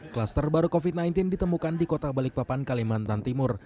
kluster baru covid sembilan belas ditemukan di kota balikpapan kalimantan timur